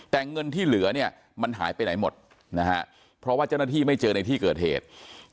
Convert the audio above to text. แต่เงินที่เหลือเนี่ยมันหายไปไหนหมดนะฮะเพราะว่าเจ้าหน้าที่ไม่เจอในที่เกิดเหตุ